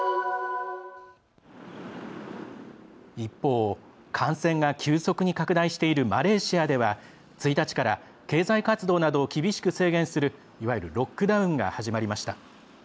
一方、感染が急速に拡大しているマレーシアでは、１日から経済活動などを厳しく制限するいわゆるロックダウンが始まりました。